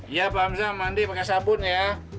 iya pak hamzah mandi pakai sabun ya